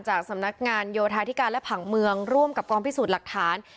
สำนักงานโยธาธิการและผังเมืองร่วมกับกองพิสูจน์หลักฐาน